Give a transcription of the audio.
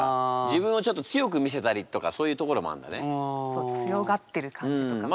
そう強がってる感じとかもある。